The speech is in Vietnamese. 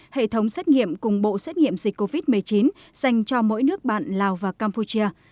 hệ thống xét nghiệm cùng bộ xét nghiệm dịch covid một mươi chín dành cho mỗi nước bạn lào và campuchia